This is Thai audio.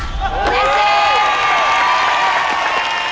เจสซี่